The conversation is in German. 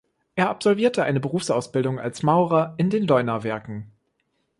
Er absolvierte eine Berufsausbildung als Maurer in den Leunawerken.